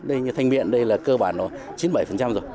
đây như thanh miện đây là cơ bản nó chín mươi bảy rồi